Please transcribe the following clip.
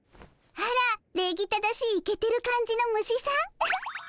あら礼儀正しいイケてる感じの虫さんウフッ。